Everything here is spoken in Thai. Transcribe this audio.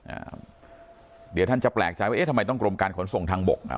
อ่าเดี๋ยวท่านจะแปลกใจว่าเอ๊ะทำไมต้องกรมการขนส่งทางบกอ่ะ